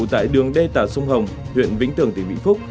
tại đường đê tả sông hồng huyện vĩnh tường tỉnh vĩnh phúc